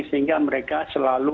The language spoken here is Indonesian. sehingga mereka selalu